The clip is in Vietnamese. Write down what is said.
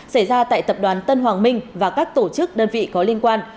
xảy ra tại tập đoàn tân hoàng minh và các tổ chức đơn vị có liên quan